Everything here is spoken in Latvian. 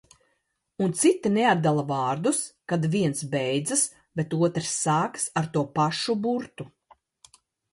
Un citi neatdala vārdus, kad viens beidzas, bet otrs sākas ar to pašu burtu.